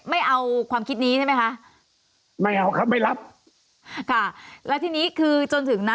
ไม่เอาความคิดนี้ใช่ไหมคะไม่เอาครับไม่รับค่ะแล้วทีนี้คือจนถึงนะ